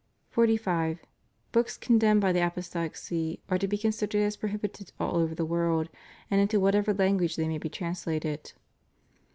45. Books condemned by the Apostolic See are to be considered as prohibited all over the world, and into what ever language they may be translated.